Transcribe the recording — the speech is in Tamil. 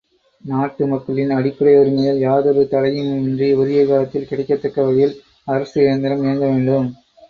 நாட்டு மக்களின் அடிப்படை உரிமைகள் யாதொரு தடையுமின்றி உரிய காலத்தில் கிடைக்கத்தக்க வகையில் அரசு இயந்திரம் இயங்க வேண்டும்.